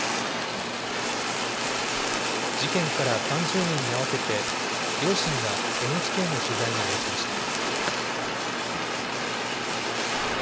事件から３０年に合わせて、両親がＮＨＫの取材に応じました。